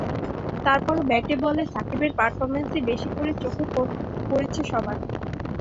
তারপরও ব্যাটে বলে সাকিবের পারফরম্যান্সই বেশি করে চোখে পড়েছে সবার।